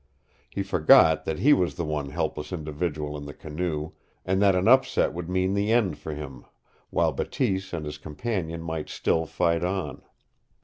He forgot that he was the one helpless individual in the canoe, and that an upset would mean the end for him, while Bateese and his companion might still fight on.